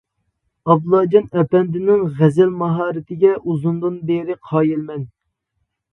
ئابلاجان ئەپەندىنىڭ غەزەل ماھارىتىگە ئۇزۇندىن بېرى قايىلمەن.